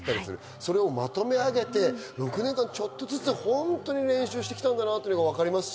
それをまとめ上げて、６年間ちょっとずつ練習してきたんだなというのが分かります。